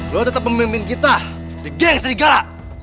lu tetep pemimpin kita di geng serigala